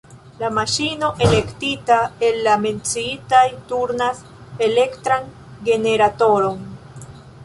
La maŝino elektita el la menciitaj turnas elektran generatoron.